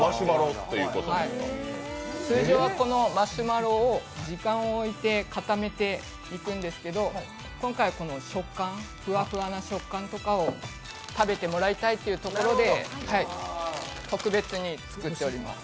通常は、このマシュマロを時間を置いて固めていくんですけど、今回はふわふわな食感とかを食べてもらいたいというところで特別に作っております。